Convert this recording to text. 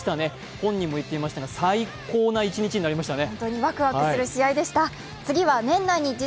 本人も言っていましたが、最高な一日になりましたね。